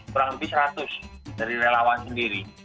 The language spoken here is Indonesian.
kurang lebih seratus dari relawan sendiri